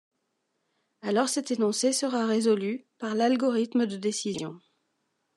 Alors cet énoncé sera résolu par l'algorithme de décision.